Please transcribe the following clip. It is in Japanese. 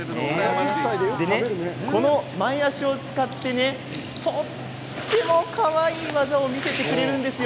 この前足を使ってとてもかわいい技を見せてくれるんですよ。